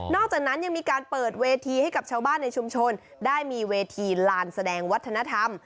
จากนั้นยังมีการเปิดเวทีให้กับชาวบ้านในชุมชนได้มีเวทีลานแสดงวัฒนธรรม